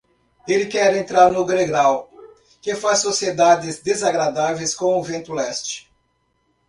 Ele quer entrar no gregal, que faz sociedades desagradáveis com o vento leste.